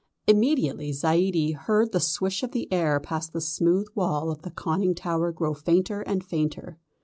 Immediately Zaidie heard the swish of the air past the smooth wall of the conning tower grow fainter and fainter.